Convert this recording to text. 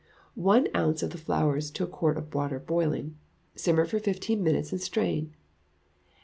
One ounce of the flowers to a quart of water boiling. Simmer for fifteen minutes and strain.